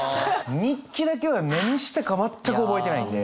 日記だけは何したか全く覚えてないんで。